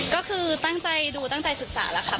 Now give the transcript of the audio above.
ก็คือตั้งใจดูตั้งใจศึกษาแล้วค่ะ